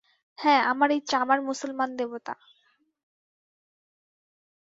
হাঁ, আমার এই চামার মুসলমান দেবতা।